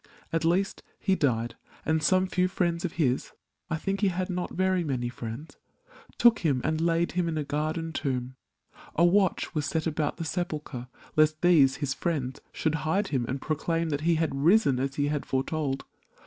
At least he died; and some few friends of his — I think he had not very many friends — Took him and laid him in a garden tomb. A watch was set about the sepulchre. Lest these, his friends, should hide him and proclaim That he had risen as he had fore told.